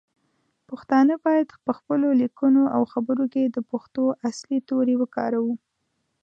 پښتانه باید پخپلو لیکنو او خبرو کې د پښتو اصلی تورې وکاروو.